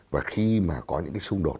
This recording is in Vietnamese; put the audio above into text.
và khi mà có những cái xung đột